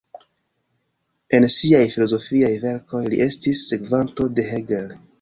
En siaj filozofiaj verkoj li estis sekvanto de Hegel.